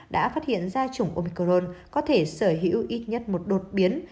đã phát hiện da chủng omicron có thể sở hữu ít nhất một đột biến